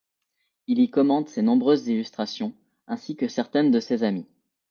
Il y commente ses nombreuses illustrations, ainsi que certaines de ses amis.